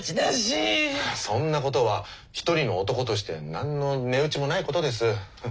そんなことは一人の男として何の値打ちもないことです。